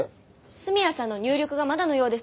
住谷さんの入力がまだのようです。